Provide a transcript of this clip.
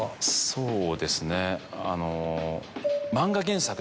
そうですねあの。